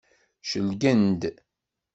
Celgen-d.